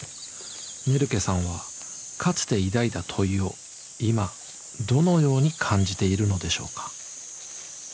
ネルケさんはかつて抱いた問いを今どのように感じているのでしょうか。